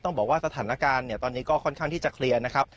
บอกว่าสถานการณ์เนี่ยตอนนี้ก็ค่อนข้างที่จะเคลียร์นะครับ